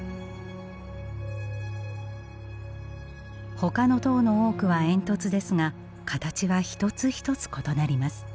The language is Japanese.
ほかの塔の多くは煙突ですが形は一つ一つ異なります。